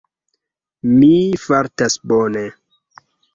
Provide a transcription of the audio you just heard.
Mi fartas bone